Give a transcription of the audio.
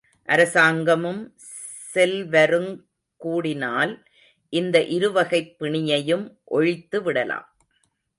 அரசாங்கமும், செல்வருங் கூடினால் இந்த இருவகைப் பிணியையும் ஒழித்துவிடலாம்.